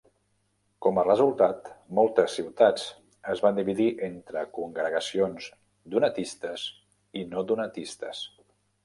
Com a resultat, moltes ciutats es van dividir entre congregacions donatistes i no donatistes.